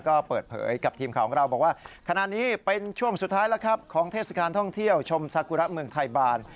เยอะเลยนะครับแล้วก็มุมถ่ายภาพนี้มีเยอะเลยนะฮะ